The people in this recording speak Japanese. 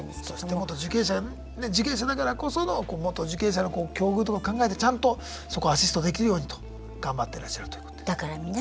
元受刑者ね受刑者だからこその元受刑者の境遇とかを考えてちゃんとそこをアシストできるようにと頑張ってらっしゃるということです。